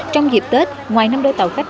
trong dịp tết ngoài năm đôi tàu khách